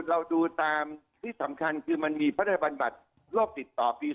เราดูตามที่สำคัญคือมันมีพัฒนาบัญญัติโรคติดต่อปี๒๕